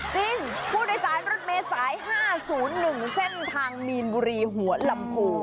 ผู้โดยสารรถเมษาย๕๐๑เส้นทางมีนบุรีหัวลำโพ